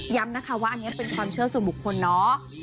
นะคะว่าอันนี้เป็นความเชื่อส่วนบุคคลเนาะ